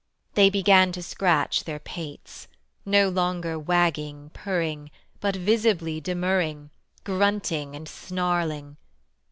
They began to scratch their pates, No longer wagging, purring, But visibly demurring, Grunting and snarling.